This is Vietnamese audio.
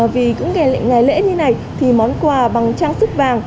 vì cũng ngày lễ như này thì món quà bằng trang sức vàng